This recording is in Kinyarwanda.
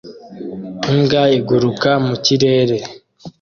Imbwa iguruka mu kirere